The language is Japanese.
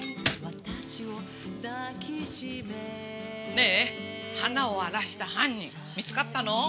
ねえ花を荒らした犯人見つかったの？